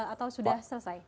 atau sudah selesai